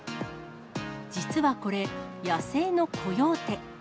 実はこれ、野生のコヨーテ。